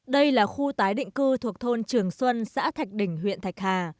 đây là khu tái định cư thuộc thôn trường xuân xã thạch đỉnh huyện thạch hà